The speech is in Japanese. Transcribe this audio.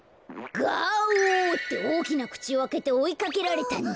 「ガオ！」っておおきなくちをあけておいかけられたんだ。